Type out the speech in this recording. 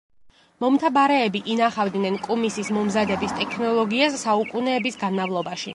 მომთაბარეები ინახავდნენ კუმისის მომზადების ტექნოლოგიას საუკუნეების განმავლობაში.